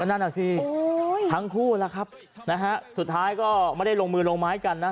นั่นอ่ะสิทั้งคู่แล้วครับนะฮะสุดท้ายก็ไม่ได้ลงมือลงไม้กันนะ